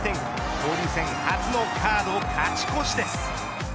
交流戦初のカード勝ち越しです。